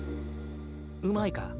うまいか？